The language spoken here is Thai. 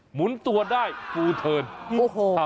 หมุนตัวได้ฟูเทิร์น๓๖๐องศา